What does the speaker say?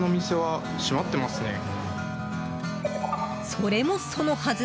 それもそのはず